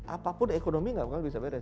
apapun ekonomi enggak bisa beres